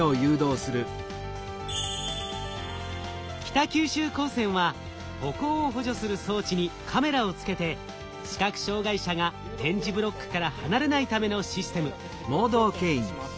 北九州高専は歩行を補助する装置にカメラをつけて視覚障害者が点字ブロックから離れないためのシステム。